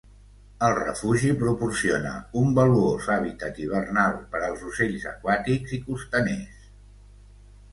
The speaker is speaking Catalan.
El refugi proporciona un valuós hàbitat hivernal per als ocells aquàtics i costaneres.